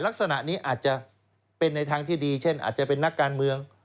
ลักษณะนี้อาจจะเป็นในทางที่ดีเช่นอาจจะเป็นนักการเมือง